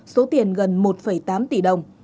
số tiền gần một tám tỷ đồng